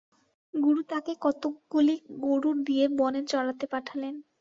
গুরু তাঁকে কতকগুলি গরু দিয়ে বনে চরাতে পাঠালেন।